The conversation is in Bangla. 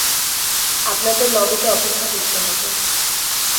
আপনাদের লবিতে অপেক্ষা করতে হবে।